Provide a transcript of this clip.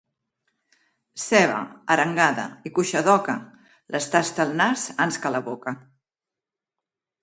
Ceba, arengada i cuixa d'oca, les tasta el nas ans que la boca.